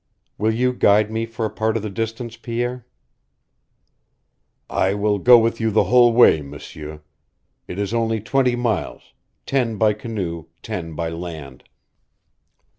Will you guide me for a part of the distance, Pierre?" "I will go with you the whole way, M'sieur. It is only twenty miles, ten by canoe, ten by land."